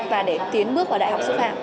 và để tiến bước vào đại học sư phạm